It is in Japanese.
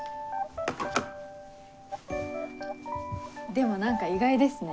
でも何か意外ですね。